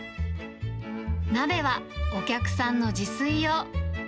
鍋はお客さんの自炊用。